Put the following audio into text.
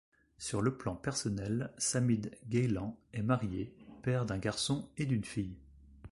Sur le plan personnel, Samid Ghailan est marié, père d'un garçon et d'une fille.